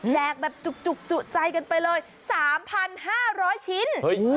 แหลกแบบจุกใจกันไปเลย๓๕๐๐ชิ้น